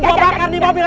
gua bakar nih mobil